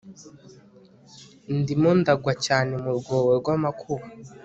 ndimo ndagwa cyane mu rwobo rw'amakuba